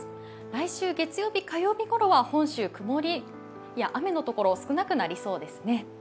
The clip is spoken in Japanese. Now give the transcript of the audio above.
来週月曜日、火曜日ごろは本州、晴れ、曇りの所が少なくなりそうですね。